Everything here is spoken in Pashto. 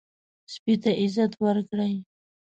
سپي ته عزت ورکړئ.